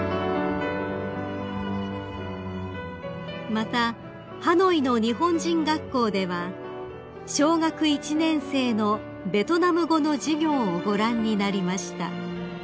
［またハノイの日本人学校では小学１年生のベトナム語の授業をご覧になりました］